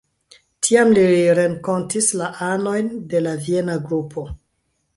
Tiam li renkontis la anojn de la Viena Grupo.